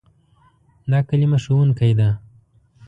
دا کلمه "ښوونکی" ده.